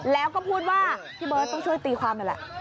แล้วก็พูดว่าพี่เบิร์ตต้องช่วยตีความนั่นแหละ